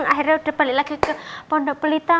akhirnya udah balik lagi ke pondok pelita